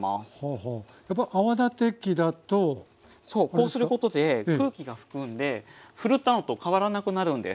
こうすることで空気が含んでふるったのと変わらなくなるんです。